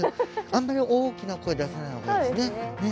あんまり大きな声出さない方がいいですね。